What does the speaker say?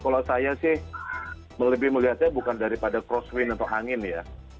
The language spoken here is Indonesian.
kalau saya sih lebih melihatnya bukan daripada cross win atau angin ya